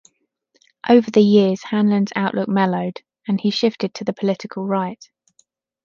Over the years Hanlon's outlook mellowed, and he shifted to the political right.